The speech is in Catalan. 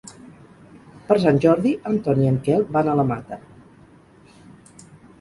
Per Sant Jordi en Ton i en Quel van a la Mata.